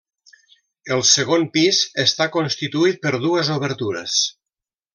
El segon pis està constituït per dues obertures.